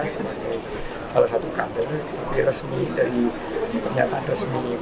sebagai salah satu kantor lebih resmi dari pernyataan resmi p tiga